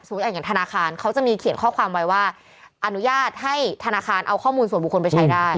อย่างธนาคารเขาจะมีเขียนข้อความไว้ว่าอนุญาตให้ธนาคารเอาข้อมูลส่วนบุคคลไปใช้ได้